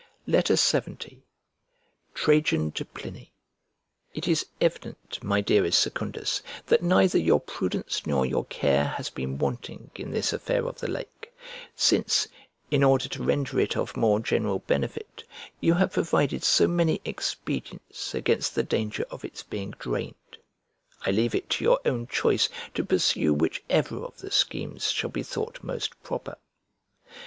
LXX TRAJAN TO PLINY IT is evident, my dearest Secundus, that neither your prudence nor your care has been wanting in this affair of the lake, since, in order to render it of more general benefit, you have provided so many expedients against the danger of its being drained. I leave it to your own choice to pursue whichever of the schemes shall be thought most proper.